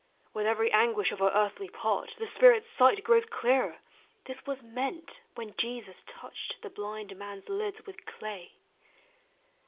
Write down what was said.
With every anguish of our earthly part The spirit's sight grows clearer; this was meant When Jesus touched the blind man's lids with clay.